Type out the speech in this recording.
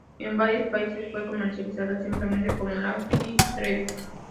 En varios países fue comercializado simplemente como Lancia Trevi.